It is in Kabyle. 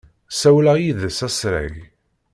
Ssawleɣ yid-s asrag.